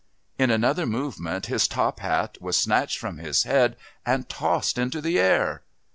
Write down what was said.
In another movement his top hat was snatched from his head and tossed into air....